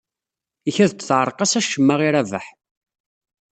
Ikad-d teɛreq-as acemma i Rabaḥ.